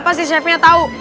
pasti chefnya tahu